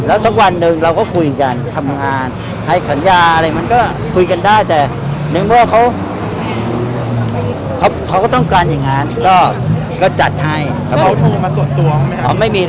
แล้วสักวันนึงเราก็คุยกันทำงานให้สัญญาอะไรมันก็คุยกันได้